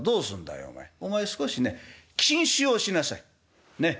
お前少しね禁酒をしなさいねっ。